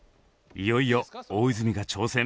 いよいよ大泉が挑戦。